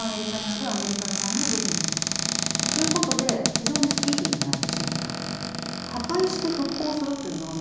ということで非常にスピーディーにやってしまったと。